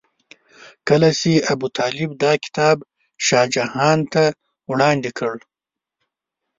کله چې ابوطالب دا کتاب شاه جهان ته وړاندې کړ.